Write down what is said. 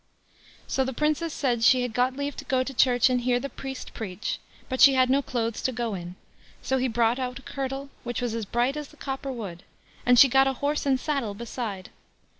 So the Princess said she had got leave to go to church and hear the priest preach, but she had no clothes to go in. So he brought out a kirtle, which was as bright as the copper wood, and she got a horse and saddle beside.